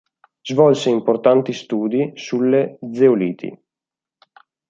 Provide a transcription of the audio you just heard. Svolse importanti studi sulle zeoliti.